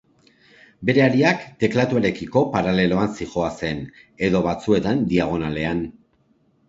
Bere hariak, teklatuarekiko paraleloan zihoazen, edo, batzuetan, diagonalean.